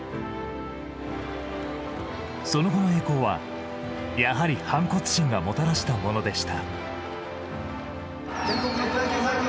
その後の栄光はやはり、反骨心がもたらしたものでした。